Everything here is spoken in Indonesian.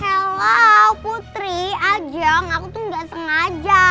halo putri ajeng aku tuh nggak sengaja